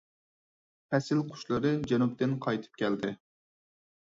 پەسىل قۇشلىرى جەنۇبتىن قايتىپ كەلدى.